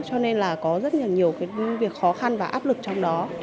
cho nên là có rất nhiều việc khó khăn và áp lực trong đó